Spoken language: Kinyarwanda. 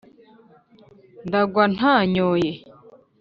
ndagwa ntanyoye